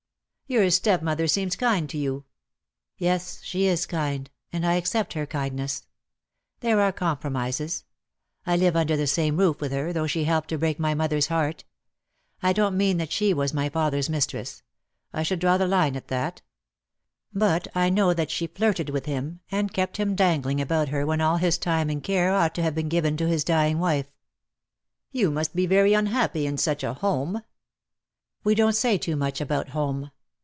"Your stepmother seems kind to you." "Yes, she is kind, and I accept her kindness. There are compromises. I live under the same roof with her, though she helped to break my mother's heart. I don't mean that she was my father's mistress. I should draw the line at that. But I know that she flirted with him, and kept him dangling about her when all his time and care ought to have been given to his dying wife." Dead Love has Chains. 12 178 DEAD LOVE HAS CHAINS. "You must be very unhappy in such a home." "We don't say too much about home.